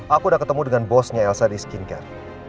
aku sudah ketemu dengan bosnya elsa di skincare